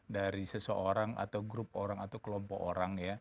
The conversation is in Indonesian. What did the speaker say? dari seseorang atau grup orang atau kelompok orang ya